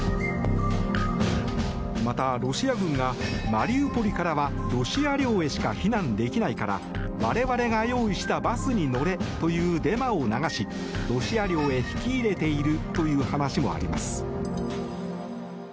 また、ロシア軍がマリウポリからはロシア領へしか避難できないから我々が用意したバスに乗れというデマを流しロシア領へ引き入れているという話もあります。